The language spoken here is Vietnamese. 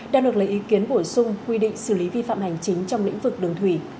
đang được lấy ý kiến bổ sung quy định xử lý vi phạm hành chính trong lĩnh vực đường thủy